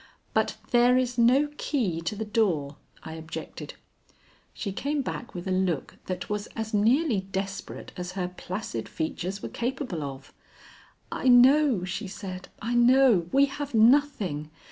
"But there is no key to the door," I objected. She came back with a look that was as nearly desperate as her placid features were capable of. "I know," she said, "I know. We have nothing.